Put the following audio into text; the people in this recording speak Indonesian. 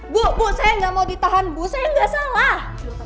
bu bu saya nggak mau ditahan bu saya nggak salah